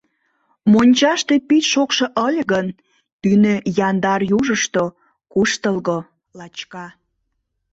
Мончаште пич шокшо ыле гын, тӱнӧ — яндар южышто — куштылго, лачка.